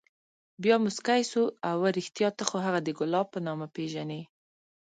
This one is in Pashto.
بيا موسكى سو اوه رښتيا ته خو هغه د ګلاب په نامه پېژنې.